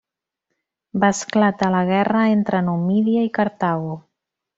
Va esclatar la guerra entre Numídia i Cartago.